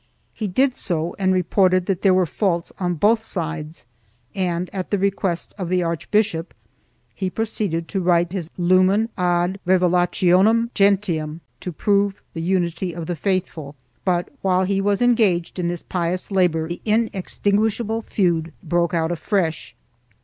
He did so and reported that there were faults on both sides and, at the request of the archbishop, he proceeded to write his Lumen ad Revelationem Gentium to prove the unity of the faithful, but, while he was engaged in this pious labor the inextinguishable feud broke out afresh.